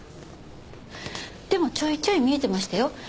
でもちょいちょい見えてましたよ。